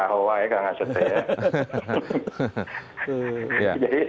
ya allah ya kang asep ya